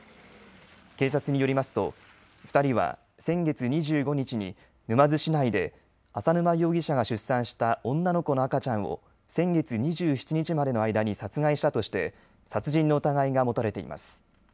警察によりますと２人は先月２５日に沼津市内で淺沼容疑者が出産した女の子の赤ちゃんを先月２７日までの間に殺害したとして殺人の疑いが持たれています。